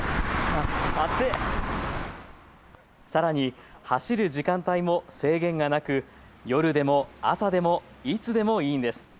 さらに走る時間帯も制限がなく夜でも朝でもいつでもいいんです。